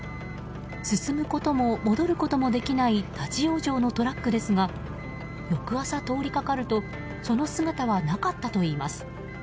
進むことも戻ることもできない立ち往生のトラックですが翌朝、通りかかるとその姿はなかったといいます。